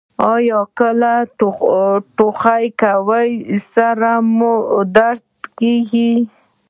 ایا کله چې ټوخی کوئ سر مو دردیږي؟